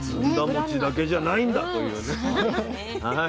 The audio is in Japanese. ずんだ餅だけじゃないんだというね。